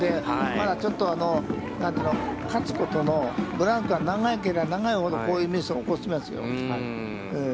まだちょっと、何というの、勝つことのブランクが長ければ長いほど、こういうミスを起こしますよ。